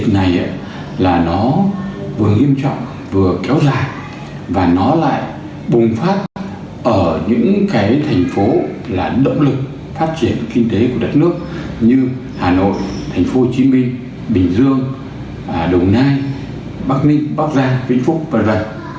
này là nó vừa nghiêm trọng vừa kéo dài và nó lại bùng phát ở những cái thành phố là động lực phát triển kinh tế của đất nước như hà nội thành phố hồ chí minh bình dương đồng nai bắc ninh bắc giang vĩnh phúc v v